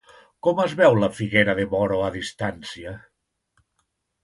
Com es veu la figuera de moro a distància?